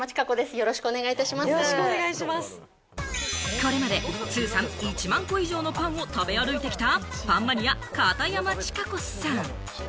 これまで通算１万個以上のパンを食べ歩いてきたパンマニア・片山智香子さん。